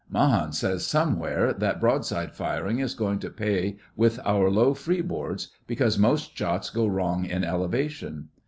'Mahan says, somewhere, that broadside fighting is going to pay with our low freeboards, because most shots go wrong in elevation.